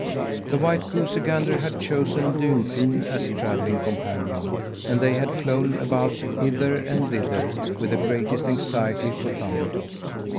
The white goosey gander had chosen Dunfin as travelling companion, and they had flown about hither and thither with the greatest anxiety for Thumbietot.